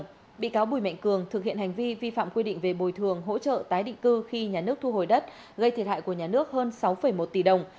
các bị cáo bùi mạnh cường thực hiện hành vi vi phạm quy định về bồi thường hỗ trợ tái định cư khi nhà nước thu hồi đất gây thiệt hại của nhà nước hơn sáu một tỷ đồng